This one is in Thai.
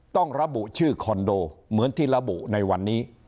ต้องระบุชื่อคอนโดเหมือนที่ระบุในวันนี้